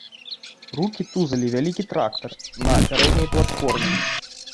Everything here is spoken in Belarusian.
Рукі тузалі вялікі трактар на пярэдняй платформе.